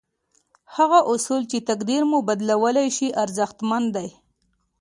هغه اصول چې تقدير مو بدلولای شي ارزښتمن دي.